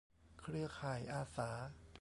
เครือข่ายอาสา